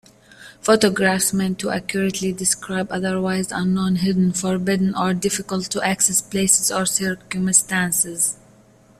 Photographs meant to accurately describe otherwise unknown, hidden, forbidden, or difficult-to-access places or circumstances.